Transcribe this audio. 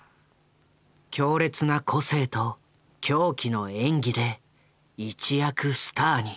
強烈な個性と狂気の演技で一躍スターに。